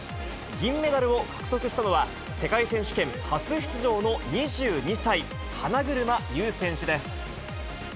銀メダルを獲得したのは、世界選手権初出場の２２歳、花車優選手です。